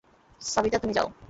সাবিথা, তুমি যাও।